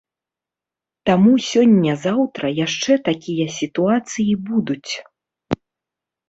Таму сёння-заўтра яшчэ такія сітуацыі будуць.